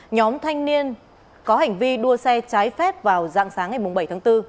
nhóm thanh niên có hành vi đua xe trái phép vào dạng sáng ngày bảy tháng bốn